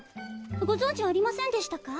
ご存じありませんでしたか？